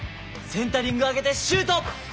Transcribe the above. センタリング上げてシュート！